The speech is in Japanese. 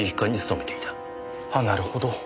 あっなるほど。